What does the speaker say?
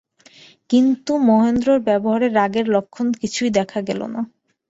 কিন্তু মহেন্দ্রের ব্যবহারে রাগের লক্ষণ কিছুই দেখা গেল না।